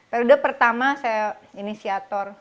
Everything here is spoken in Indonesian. periode pertama saya inisiator